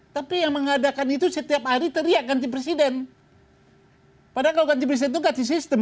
tapi yang mengadakan itu setiap hari teriak ganti presiden padahal kalau ganti presiden itu ganti sistem